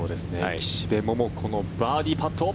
岸部桃子のバーディーパット。